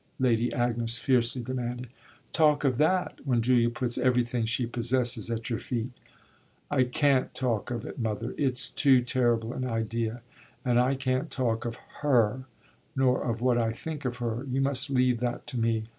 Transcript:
Lady Agnes fiercely demanded. "Talk of that when Julia puts everything she possesses at your feet!" "I can't talk of it, mother it's too terrible an idea. And I can't talk of her, nor of what I think of her. You must leave that to me.